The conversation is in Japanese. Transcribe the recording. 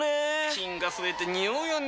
菌が増えて臭うよね。